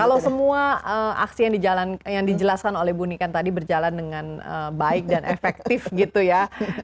kalau semua aksi yang dijelaskan oleh bu nikan tadi berjalan dengan baik dan efektif gitu ya